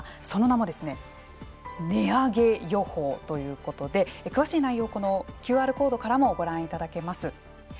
その名も値上げ予報ということで詳しい内容はＱＲコードからもご覧いただけます。